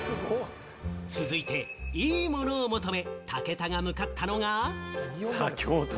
続いて、いいものを求め、武田が向かったのが。